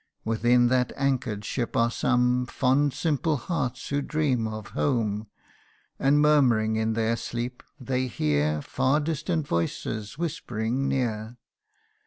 Within that anchor'd ship are some Fond simple hearts who dream of home ; And murmuring in their sleep, they hear Far distant voices whispering near.